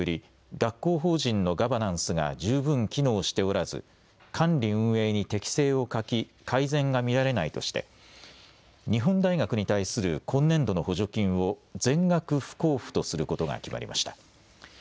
学校法人のガバナンスが十分機能しておらず管理運営に適正を欠き改善が見られないとして日本大学に対する今年度の補助金を全額不交付とすることが決まりました。